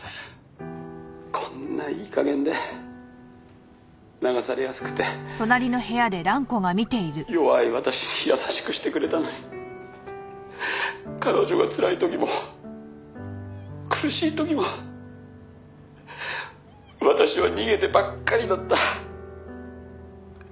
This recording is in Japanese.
「こんないい加減で流されやすくて弱い私に優しくしてくれたのに彼女がつらい時も苦しい時も私は逃げてばっかりだった」